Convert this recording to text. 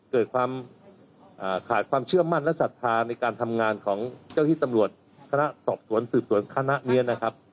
เกิดความขาดความเชื่อมั่นและศรัทธาในการทำงานของเจ้าที่ตำรวจคณะสอบสวนสืบสวนคณะนี้นะครับ